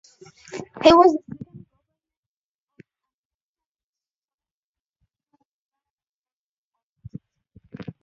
He was the second Governor of American Samoa to die in office.